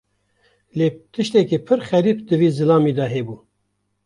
Lê tiştekî pir xerîb di vî zilamî de hebû.